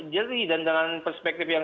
jeri dan dengan perspektif yang